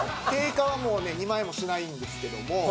定価はもうね２万円もしないんですけども。